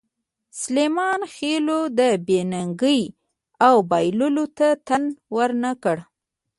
سلیمان خېلو د بې ننګۍ او بایللو ته تن ور نه کړ.